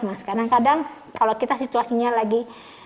karena kadang kadang kalau kita situasinya lagi